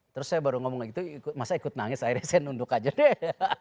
terus saya baru ngomong gitu masa ikut nangis akhirnya saya nunduk aja deh